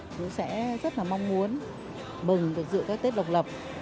chúng ta sẽ rất là mong muốn mừng được dựa các tết độc lập